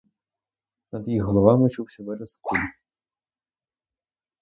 Над їх головами чувся вереск куль.